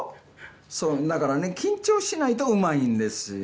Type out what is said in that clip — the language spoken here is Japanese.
そうだからね緊張しないとうまいんですよ